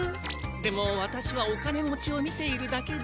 でもわたしはお金持ちを見ているだけで。